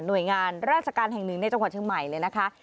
โดยงานราชการแห่งหนึ่งในจังหวัดเชียงใหม่เลยนะคะ